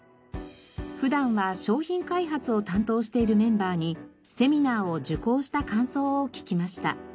普段は商品開発を担当しているメンバーにセミナーを受講した感想を聞きました。